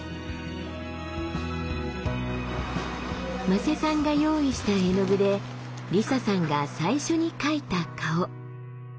馬瀬さんが用意した絵の具でりささんが最初に描いた顔。